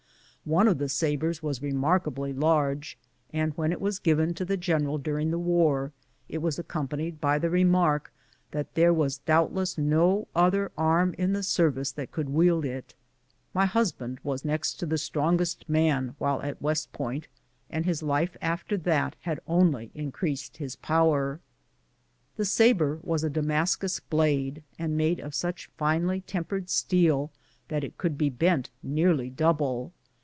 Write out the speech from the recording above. One of the sabres was remarkably large, and when it was given to the general during the war it was accompanied by the remark that there was doubtless no other arm in the service that could wield it. (My husband was next to the strongest man while at "West Point, and his life after that had GENERAL CUSTER'S LIBRARY. 177 only increased his power.) The sabre was a Damascus blade, and made of such finely tempered steel that it could be bent nearly double.